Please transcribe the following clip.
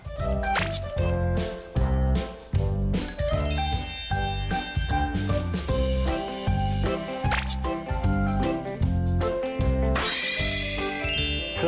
ขึ้นครับ